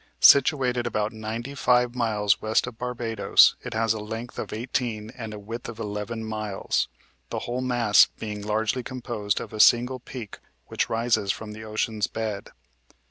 Situated about ninety five miles west of Barbados, it has a length of eighteen and a width of eleven miles, the whole mass being largely composed of a single peak which rises from the ocean's bed.